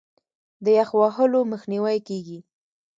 د یخ وهلو مخنیوی کیږي.